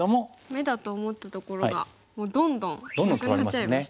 眼だと思ったところがどんどんなくなっちゃいましたね。